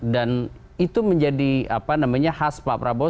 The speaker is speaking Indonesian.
dan itu menjadi apa namanya khas pak prabowo